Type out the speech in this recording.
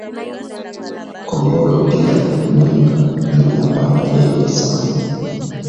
Kongolo pia bunga buna panda bei sana